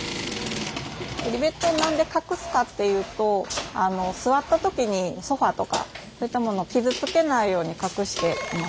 リベットを何で隠すかっていうと座った時にソファーとかそういったものを傷つけないように隠しています。